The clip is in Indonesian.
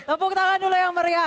tepuk tangan dulu yang meriah